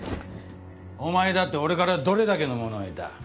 お前だって俺からどれだけのものを得た？